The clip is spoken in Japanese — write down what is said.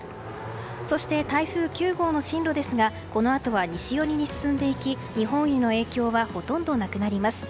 そして台風９号の進路ですがこのあとは西寄りに進んでいき日本への影響はほとんどなくなります。